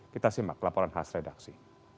kita simak laporan khas redaksi